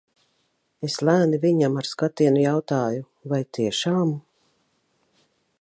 Es lēni viņam ar skatienu jautāju – vai tiešām?